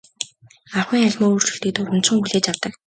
Ахуйн аливаа өөрчлөлтийг дурамжхан хүлээж авдаг.